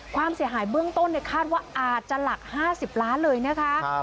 ความเสียหายเบื้องต้นคาดว่าอาจจะหลัก๕๐ล้านเลยนะคะ